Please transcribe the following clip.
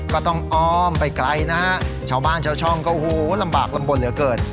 ก็ต้องอ้อมไปไกลนะชาวบ้านชาวช่องก็รับบำบลเหลือเกิน